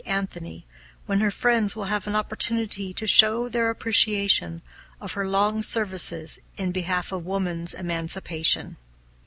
Anthony, when her friends will have an opportunity to show their appreciation of her long services in behalf of woman's emancipation.